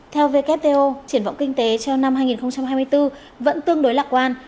theo wto triển vọng kinh tế trong năm hai nghìn hai mươi bốn vẫn tương đối lạc quan